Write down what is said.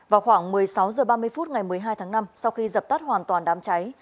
vào khoảng một mươi sáu h ba mươi phút ngày một mươi hai tháng năm sau khi dập tắt hoàn toàn đám cháy